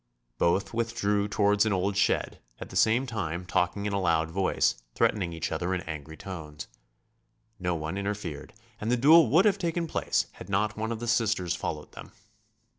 Both withdrew towards an old shed, at the same time talking in a loud voice, threatening each other in angry tones. No one interfered and the duel would have taken place had not one of the Sisters followed them.